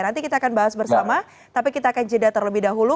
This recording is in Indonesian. nanti kita akan bahas bersama tapi kita akan jeda terlebih dahulu